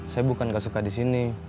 saya bukan gak suka disini